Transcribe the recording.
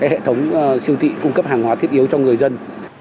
hệ thống siêu thị cung cấp hàng hóa thiết yếu cho người dân